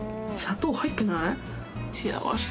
砂糖入ってない？